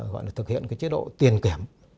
gọi là thực hiện cái chế độ tiền kiểm